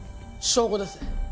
証拠です